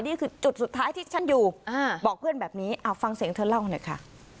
นี่คือจุดสุดท้ายที่ฉันอยู่บอกเพื่อนแบบนี้ฟังเสียงเธอเล่าหน่อยค่ะ